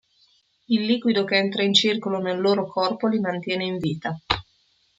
Il liquido che entra in circolo nel loro corpo li mantiene in vita.